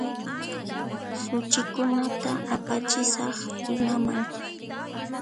Suchikunata apachisaq Limaman